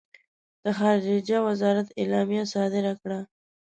خارجه وزارت اعلامیه صادره کړه.